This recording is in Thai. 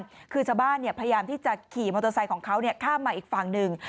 คือชาวบ้านพยายามที่จะขี่มอเตอร์ไซค์ของเขาข้ามมาอีกฝั่งหนึ่ง